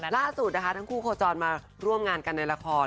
ล่าสุดนะคะทั้งคู่โคจรมาร่วมงานกันในละคร